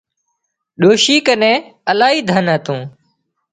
ڏوشي ڪنين الاهي ڌن هتون